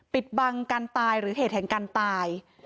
ปิดบังการตายหรือเหตุแห่งการตาย